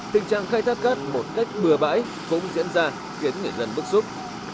tình trạng khai thác cát một cách bừa bãi cũng diễn ra khiến người dân bức xúc